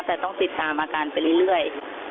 แต่ต้องติดตามอาการไปเรื่อย